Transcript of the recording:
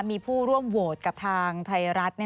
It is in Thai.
มีผู้ร่วมโหวตกับทางไทยรัฐ